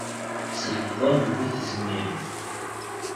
S lefḍel n bu tezmirin.